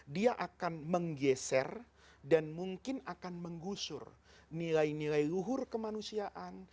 dia akan menggeser dan mungkin akan menggusur nilai nilai luhur kemanusiaan